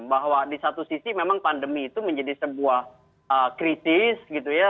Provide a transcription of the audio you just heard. bahwa di satu sisi memang pandemi itu menjadi sebuah krisis gitu ya